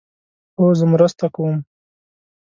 هو، زه مرسته کوم